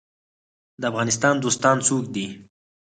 د افغانستان دوستان څوک دي؟